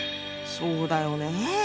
そうだよねぇ。